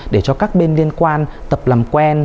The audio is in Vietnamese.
để cho các bên liên quan tập làm quen